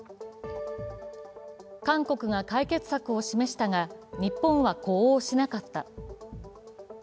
韓国が解決策を示したが、日本は呼応しなかった。